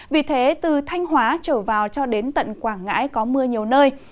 vì thế từ thanh hóa trở vào cho đến tận quảng ngãi có mưa nhiều nơi